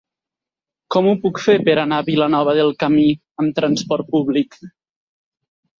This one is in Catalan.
Com ho puc fer per anar a Vilanova del Camí amb trasport públic?